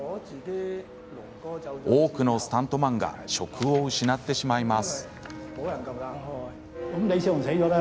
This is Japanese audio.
多くのスタントマンが職を失ってしまいます。